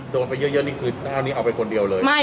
โดนไปเยอะนี่คือเจ้านี้เอาไปคนเดียวเลย